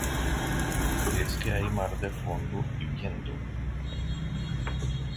es que hay mar de fondo y viento.